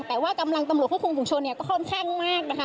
แต่ว่ากำลังตำรวจควบคุมฝุงชนเนี่ยก็ค่อนข้างมากนะคะ